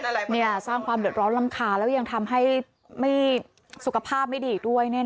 สร้างความเดือดร้อนรำคาญแล้วยังทำให้ไม่สุขภาพไม่ดีอีกด้วย